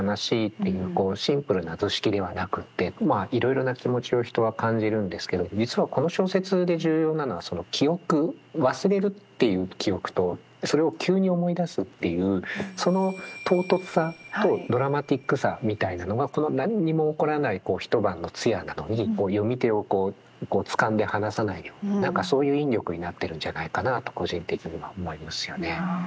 こうシンプルな図式ではなくってまあいろいろな気持ちを人は感じるんですけれど実はこの小説で重要なのはその記憶忘れるっていう記憶とそれを急に思い出すっていうその唐突さとドラマティックさみたいなのがこの何にも起こらない一晩の通夜なのに読み手をこうつかんで離さないような何かそういう引力になってるんじゃないかなと個人的には思いますよね。